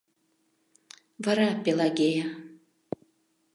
Вара Пелагея.